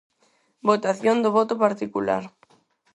Votación do voto particular.